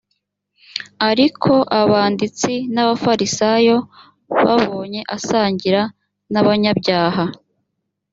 ariko abanditsi n’abafarisayo babonye asangira n’abanyabyaha